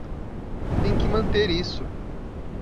Tem que manter isso